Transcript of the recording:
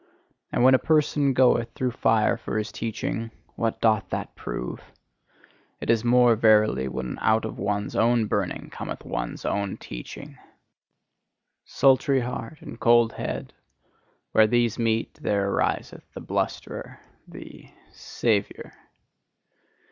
And when a person goeth through fire for his teaching what doth that prove! It is more, verily, when out of one's own burning cometh one's own teaching! Sultry heart and cold head; where these meet, there ariseth the blusterer, the "Saviour."